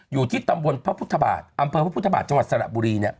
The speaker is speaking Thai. อยู่ที่ตำบลพระพุทธบาทอำเภอพระพุทธบาทจังหวัดสระบุรี